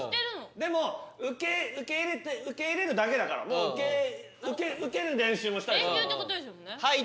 でも受け入れるだけだからもう受ける練習もした。